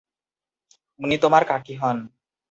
উনি তোমার কাকি হন।